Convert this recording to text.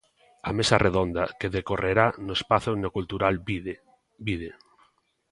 A mesa redonda, que decorrerá no espazo enocultural Vide, Vide!